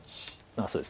そうですね